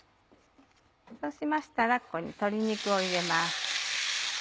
そうしましたらここに鶏肉を入れます。